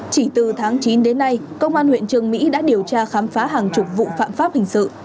chỉ từ tháng chín đến nay công an huyện trường mỹ đã điều tra khám phá hàng chục vụ phạm pháp hình sự